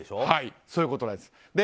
そういうことです。